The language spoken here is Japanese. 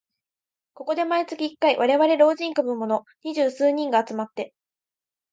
ここで毎月一回、われわれ老人株のもの二十数人が集まって